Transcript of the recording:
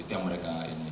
itu yang mereka ini